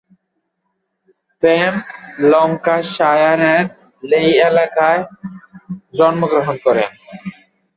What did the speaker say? ফেম ল্যাঙ্কাশায়ারের লেই এলাকায় জন্মগ্রহণ করেন।